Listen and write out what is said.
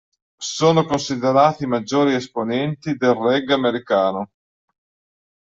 Sono considerati i maggior esponenti del reggae americano.